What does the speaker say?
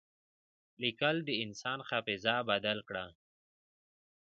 لیکل د انسان حافظه بدل کړه.